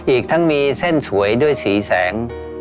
อีกทั้งมีเส้นสวยด้วยสีแสง